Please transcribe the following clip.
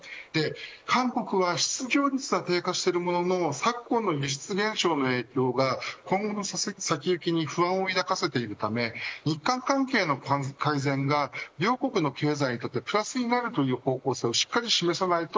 韓国は失業率は低下しているものの昨今の輸出減少の影響が今後の先行きに不安を抱かせているため日韓関係の改善が両国の経済にとってプラスになるという方向性をしっかり示さないと